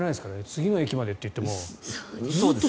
次の駅までといっても。